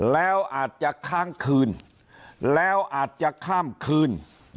แล้วอาจจะค้างคืนแล้วอาจจะข้ามคืน